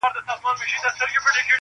• د تیارې غېږي ته درومم -